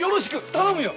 頼むよ。